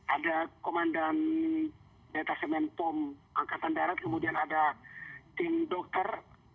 ada komandan detasemen pom angkatan darat kemudian ada tim dokter